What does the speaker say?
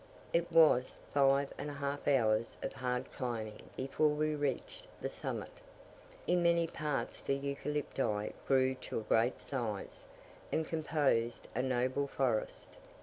It cost us five and a half hours of hard climbing before we reached the summit. In many parts the Eucalypti grew to a great size, and composed a noble forest.